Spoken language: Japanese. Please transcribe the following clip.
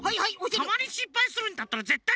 たまにしっぱいするんだったらぜったい。